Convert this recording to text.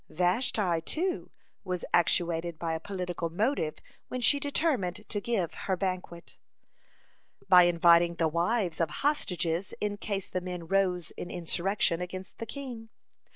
(29) Vashti, too, was actuated by a political motive when she determined to give her banquet. By inviting the wives of hostages in case the men rose in insurrection against the king.